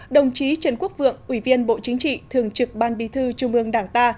đồng chí trần quốc vượng ủy viên bộ chính trị thường trực ban bị thư chủ mương đảng ta